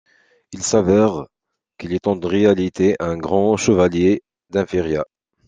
Il s'avère qu'il est en réalité un grand chevalier d'Inferia.